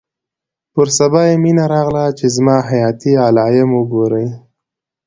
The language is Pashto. پر سبا يې مينه راغله چې زما حياتي علايم وګوري.